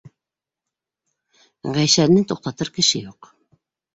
Ғәйшәне туҡтатыр кеше юҡ!